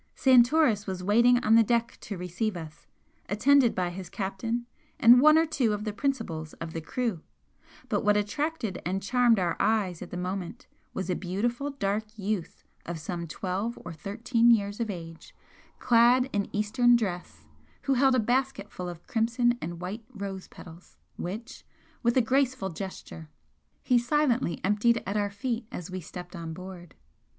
Santoris was waiting on the deck to receive us, attended by his captain and one or two of the principals of the crew, but what attracted and charmed our eyes at the moment was a beautiful dark youth of some twelve or thirteen years of age, clad in Eastern dress, who held a basket full of crimson and white rose petals, which, with a graceful gesture, he silently emptied at our feet as we stepped on board.